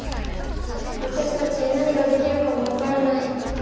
わたしたちに何ができるかも分からない。